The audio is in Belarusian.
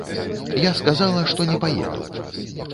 Я сказала, што не паеду.